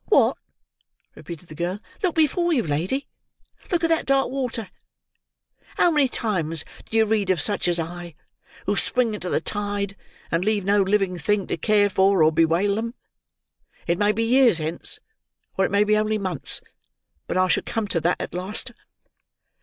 "What!" repeated the girl. "Look before you, lady. Look at that dark water. How many times do you read of such as I who spring into the tide, and leave no living thing, to care for, or bewail them. It may be years hence, or it may be only months, but I shall come to that at last."